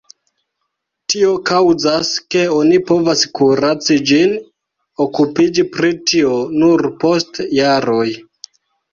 Tio kaŭzas, ke oni povas kuraci ĝin, okupiĝi pri tio nur post jaroj.